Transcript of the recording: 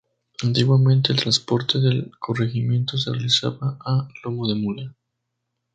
Antiguamente el transporte del corregimiento se realizaba a "lomo de mula".